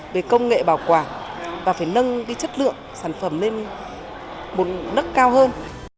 về công nghệ bảo quản và phải nâng cái chất lượng sản phẩm lên một nức cao hơn